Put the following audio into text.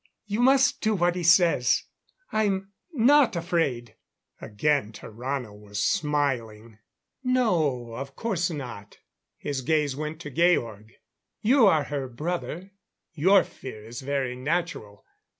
You must do what he says. I'm not afraid." Again Tarrano was smiling. "No of course not." His gaze went to Georg. "You are her brother your fear is very natural.